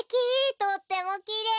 とってもきれい！